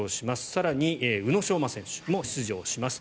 更に宇野昌磨選手も出場します。